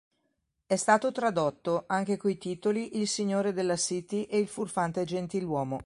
È stato tradotto anche coi titoli Il signore della City e Il furfante gentiluomo.